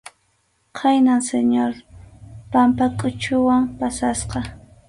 Khaynam Señor Pampakʼuchuwan pasasqa.